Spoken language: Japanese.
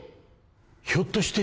ひょっとして。